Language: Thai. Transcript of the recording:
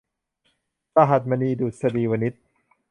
สหัสมณี ดุษฎีวนิช